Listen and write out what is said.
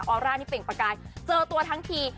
อร่านี่เปล่งประกายเจอตัวทั้งที